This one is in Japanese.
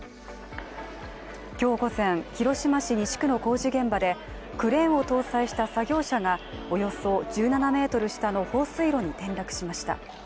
今日午前、広島市西区の工事現場でクレーンを搭載した作業車がおよそ１７ｍ下の放水路に転落しました。